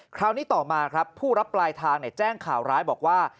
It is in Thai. คราวนี้ต่อมาครับผู้รับปลายทางแจ้งข่าวร้ายบอกว่า